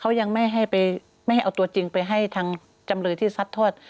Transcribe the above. เขายังไม่ได้เอาไปให้ทางจำเลยที่สัดทวด